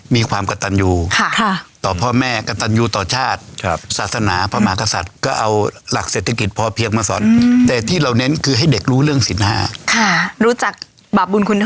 บับบุญคุณโทษถูกต้องครับอืมใหญ่ถูกใช่อืม